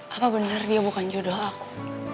apa benar dia bukan jodoh aku